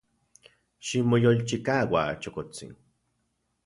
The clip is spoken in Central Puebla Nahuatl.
Ximoyolchikaua, chokotsin.